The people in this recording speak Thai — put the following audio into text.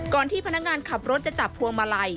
ที่พนักงานขับรถจะจับพวงมาลัย